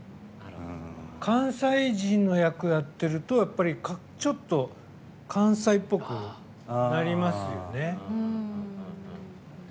関西人の役をやってるとちょっと関西っぽくなりますよね。